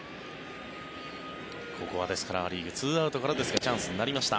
ここはア・リーグ２アウトからですがチャンスになりました。